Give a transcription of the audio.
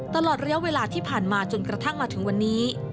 ตลอดระยะเวลาที่ผ่านมาจนกระทั่งมาถึงวันนี้